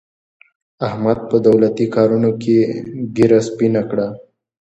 احمد په دولتي کارونو کې ږېره سپینه کړه.